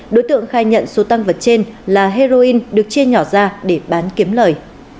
đối tượng khai nhận số tăng vật trên là heroin được chia nhỏ ra để bán kiếm lời